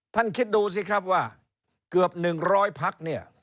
คิดดูสิครับว่าเกือบ๑๐๐พักเนี่ย